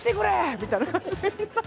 みたいな感じで。